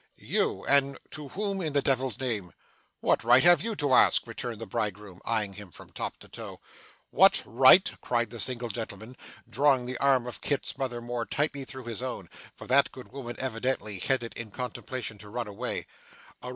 'You! and to whom in the devil's name?' 'What right have you to ask?' returned the bridegroom, eyeing him from top to toe. 'What right!' cried the single gentleman, drawing the arm of Kit's mother more tightly through his own, for that good woman evidently had it in contemplation to run away.